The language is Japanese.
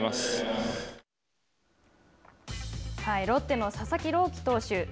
ロッテの佐々木朗希投手